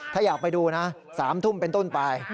ถ้าอยากไปดูนะ๓ทุ่มเป็นต้นไป